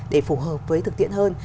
để phù hợp với thực tiễn hơn